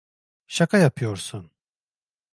Şaka yapıyorsun!